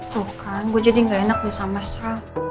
tuh kan gue jadi gak enak nih sama esra